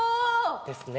ですね